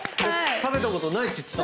食べたことないって言ってた。